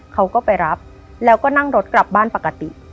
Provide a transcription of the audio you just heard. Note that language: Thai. เขาก็ไปรับแล้วก็นั่งรถกลับบ้านปกติ